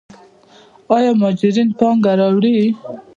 آیا مهاجرین پانګه راوړي؟